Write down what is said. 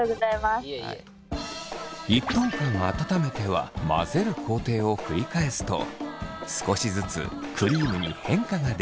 １分間温めては混ぜる工程を繰り返すと少しずつクリームに変化が出ます。